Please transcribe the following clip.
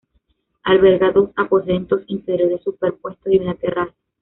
Alberga dos aposentos interiores superpuestos y una terraza.